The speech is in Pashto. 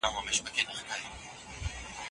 که جګړه وشي نو وسلې به ویشل کیږي.